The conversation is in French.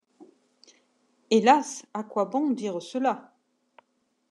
Hélas! à quoi bon dire cela?